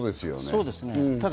そうですよね。